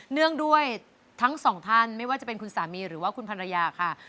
เนื่องด้วยทั้งสองท่านไม่ว่าจะเป็นคุณสามีหรือว่าคุณภรรยาค่ะ